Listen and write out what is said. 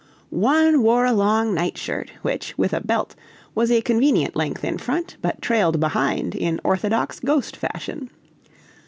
One wore a long night shirt, which, with a belt, was a convenient length in front, but trailed behind in orthodox ghost fashion.